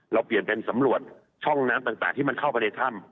เปลี่ยนเป็นสำรวจช่องน้ำต่างที่มันเข้าไปในถ้ำ